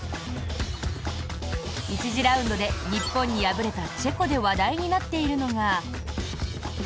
１次ラウンドで日本に敗れたチェコで話題になっているのが。